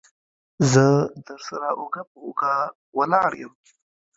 زه درسره اوږه په اوږه ولاړ يم.